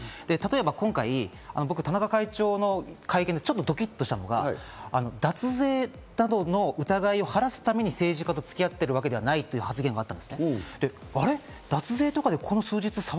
例えば今回、田中会長の会見でちょっとドキっとしたのが脱税などの疑いを晴らすために政治家とつき合ってるわけではないという発言があった。